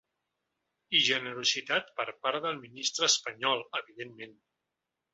I generositat per part del ministre espanyol, evidentment.